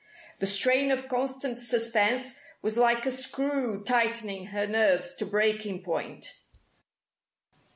The strain of constant suspense was like a screw tightening her nerves to breaking point.